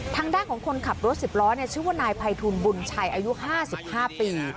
ทางด้านของคนขับรถสิบล้อเนี่ยชื่อว่านายภัยทูลบุญชัยอายุห้าสิบห้าปี